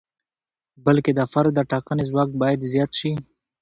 بلکې د فرد د ټاکنې ځواک باید زیات شي.